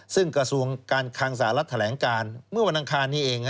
ซึ่งกระทรวงการคังสหรัฐแถลงการเมื่อวันอังคารนี้เอง